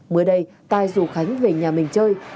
mới đây tài dù khánh về nhà mình chơi